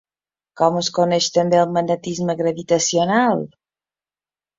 Com es coneix també el magnetisme gravitacional?